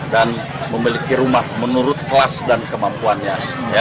dan memiliki rumah menurut kelas dan kemampuannya